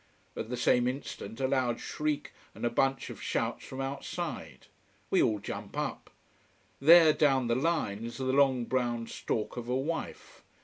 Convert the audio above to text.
At the same instant a loud shriek and a bunch of shouts from outside. We all jump up. There, down the line, is the long brown stork of a wife.